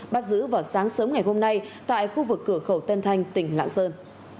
bắt giữ vào sáng sớm ngày hôm nay tại khu vực cửa khẩu tân thanh tỉnh lạng sơn